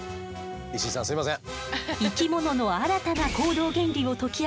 石井さんすみません。